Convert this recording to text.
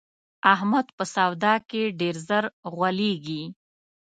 احمد په سودا کې ډېر زر غولېږي.